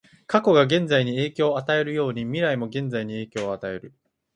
過去が現在に影響を与えるように、未来も現在に影響を与える。